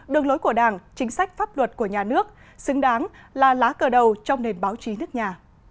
đường lối của đảng chính sách pháp luật của nhà nước xứng đáng là lá cờ đầu trong nền báo chí nước nhà